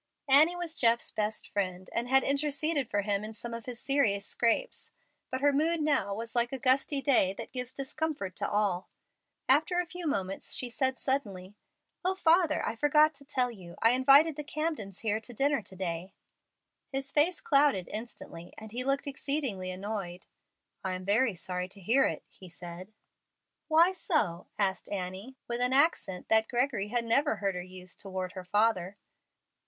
Annie was Jeff's best friend, and had interceded for him in some of his serious scrapes, but her mood now was like a gusty day that gives discomfort to all. After a few moments she said, suddenly, "O father, I forgot to tell you. I invited the Camdens here to dinner to day." His face clouded instantly, and he looked exceedingly annoyed. "I am very sorry to hear it," he said. "Why so?" asked Annie, with an accent that Gregory had never heard her use toward her father.